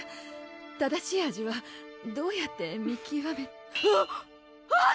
正しい味はどうやって見きわめフフッはっ！